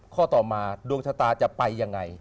ข้อต่อมาดวงชะตาจะไปยังไง